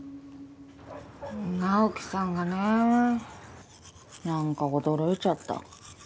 直樹さんがね。何か驚いちゃった。